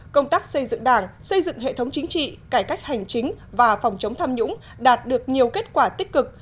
công tác xây dựng đảng xây dựng hệ thống chính trị cải cách hành chính và phòng chống tham nhũng đạt được nhiều kết quả tích cực